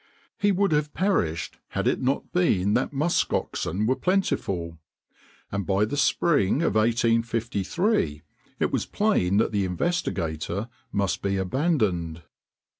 He would have perished had it not been that musk oxen were plentiful; and by the spring of 1853, it was plain that the Investigator must be abandoned.